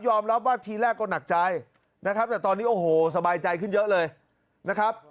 รับว่าทีแรกก็หนักใจนะครับแต่ตอนนี้โอ้โหสบายใจขึ้นเยอะเลยนะครับ